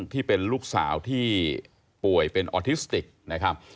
ที่เป็นลูกสาวที่ป่วยเป็นออทิสติกนะครับ